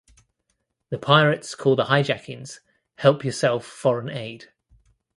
The pirates call the hijackings "help yourself foreign aid".